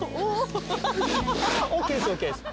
ＯＫですＯＫです。